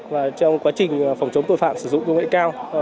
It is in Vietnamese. và trong quá trình phòng chống tội phạm sử dụng công nghệ cao